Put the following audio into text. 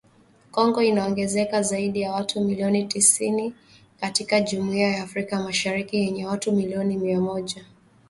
Kongo inaongeza zaidi ya watu milioni tisini katika Jumuiya ya Afrika Mashariki yenye watu milioni mia moja sabini na saba